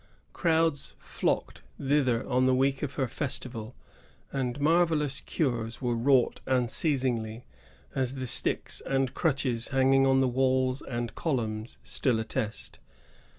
Crowds flocked thither on the week of her festival, and marvellous cures were wrought unceasingly, as the sticks and crutches hanging on the walls and columns still attest.